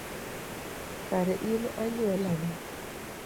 Kare in anyuolana?